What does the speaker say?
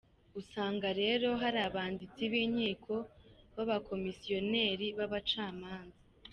Usanga rero hari abanditsi b’inkiko b’abakomisiyoneri b’abacamanza.